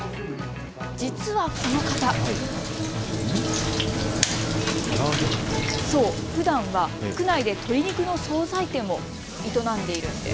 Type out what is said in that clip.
実はこの方、ふだんは区内で鶏肉の総菜店を営んでいるんです。